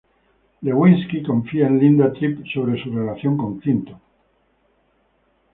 Lewinsky confío en Linda Tripp sobre su relación con Clinton.